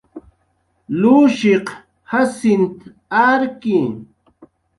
Lushiq Jacint arki